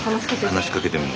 話しかけても？